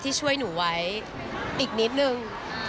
ที่ช่วยหนูไว้อีกนิดนึง